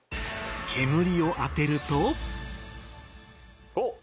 煙を当てるとおっ！